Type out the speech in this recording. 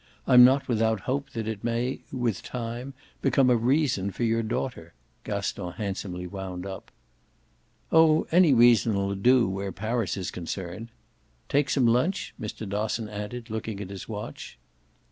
I'm not without hope that it may with time become a reason for your daughter," Gaston handsomely wound up. "Oh any reason'll do where Paris is concerned. Take some lunch?" Mr. Dosson added, looking at his watch.